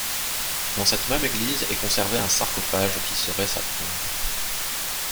Dans cette même église est conservé un sarcophage qui serait sa tombe.